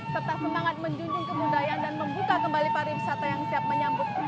tetap semangat menjunjung kemudayaan dan membuka kembali pariwisata yang siap menyambut ini